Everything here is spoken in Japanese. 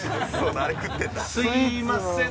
すみません。